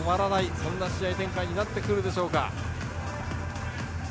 そんな試合展開になってくるでしょうか。